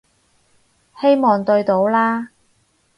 希望對到啦